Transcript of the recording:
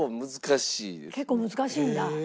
結構難しいんだ。